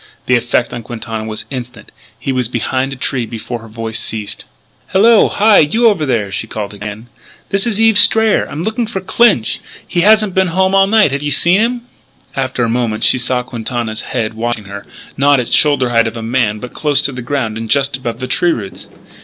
The effect on Quintana was instant; he was behind a tree before her voice ceased. "Hallo! Hi! You over there!" she called again. "This is Eve Strayer. I'm looking for Clinch! He hasn't been home all night. Have you seen him?" After a moment she saw Quintana's head watching her, not at the shoulder height of a man but close to the ground and just above the tree roots.